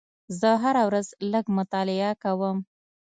زه هره ورځ لږ مطالعه کوم.